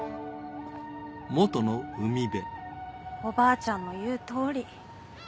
おばあちゃんの言うとおり。